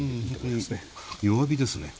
弱火ですね。